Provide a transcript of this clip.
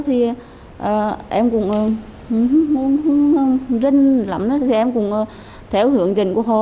thì em cũng rinh lắm em cũng theo hướng dẫn của họ